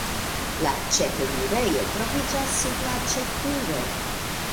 La ĉefenirejo troviĝas sub la ĉefturo.